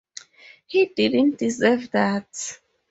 He didn’t deserve that.